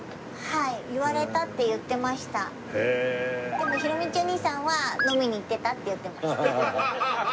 でも弘道おにいさんは飲みに行ってたって言ってました。